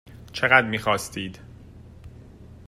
چقدر میخواستید؟